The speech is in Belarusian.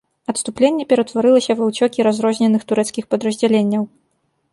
Адступленне ператварылася ва ўцёкі разрозненых турэцкіх падраздзяленняў.